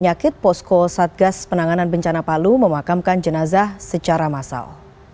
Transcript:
penyakit posko satgas penanganan bencana palu memakamkan jenazah secara massal